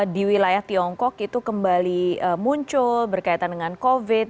di wilayah tiongkok itu kembali muncul berkaitan dengan covid